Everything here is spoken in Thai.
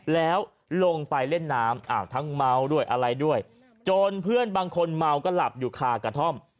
แล้วลงไปเล่นน้ำทั้งเมาด้วยอะไรด้วยจนเพื่อนบางคนเมาก็หลับอยู่คากระท่อม